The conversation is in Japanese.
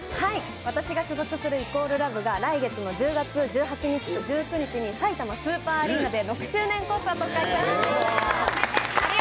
私が所属する＝ＬＯＶＥが来月の１８日と１９日にさいたまスーパーアリーナで６周年コンサートを開きます。